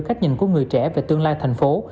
cách nhìn của người trẻ về tương lai thành phố